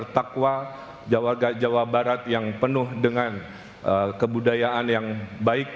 jawa barat bertakwa jawa barat yang penuh dengan kebudayaan yang baik